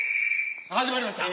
始まりました。